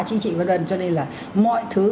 chính trị văn đoàn cho nên là mọi thứ